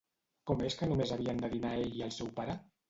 Com és que només havien de dinar ell i el seu pare?